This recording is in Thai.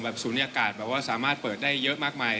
ศูนยากาศแบบว่าสามารถเปิดได้เยอะมากมาย